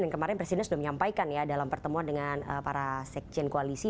dan kemarin presiden sudah menyampaikan ya dalam pertemuan dengan para sekjen koalisi